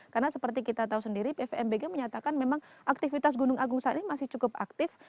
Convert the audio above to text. karena seperti kita tahu sendiri ppmbg menyatakan memang aktivitas gunung agung saat ini masih cukup aktif